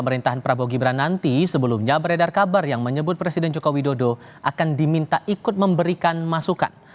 pemerintahan prabowo gibran nanti sebelumnya beredar kabar yang menyebut presiden joko widodo akan diminta ikut memberikan masukan